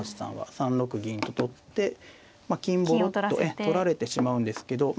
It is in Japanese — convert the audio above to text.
３六銀と取って金ボロッと取られてしまうんですけどま